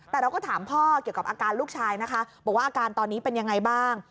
แต่เราก็ถามพ่อเกี่ยวกับอาการลูกชายนะคะบอกว่าอาการตอนนี้เป็นยังไงบ้าง